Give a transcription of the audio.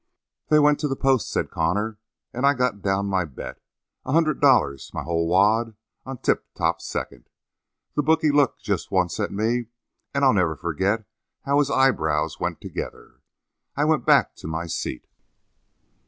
"They went to the post," said Connor, "and I got down my bet a hundred dollars, my whole wad on Tip Top Second. The bookie looked just once at me, and I'll never forget how his eyebrows went together. I went back to my seat."